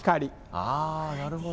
あなるほど。